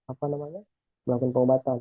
apa namanya melakukan pengobatan